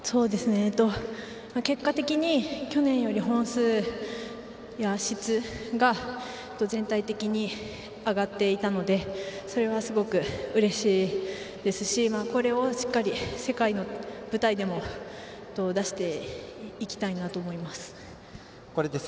結果的に去年より本数や質が全体的に上がっていたのでそれはすごくうれしいですしこれをしっかり世界の舞台でも出していきたいなと思います。